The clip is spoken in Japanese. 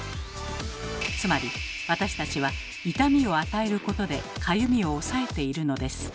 つまり私たちは痛みを与えることでかゆみを抑えているのです。